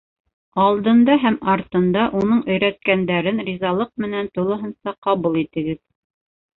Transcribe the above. Алдында һәм артында уның өйрәткәндәрен ризалыҡ менән тулыһынса ҡабул итегеҙ.